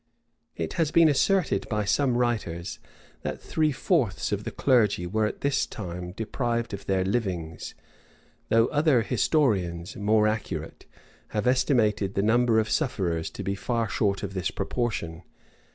It has been asserted by some writers, that three fourths of the clergy were at this time deprived of their livings; though other historians, more accurate,[] have estimated the number of sufferers to be far short of this proportion.